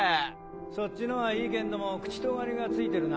そっちのはいいけんどもクチトガリがついてるな。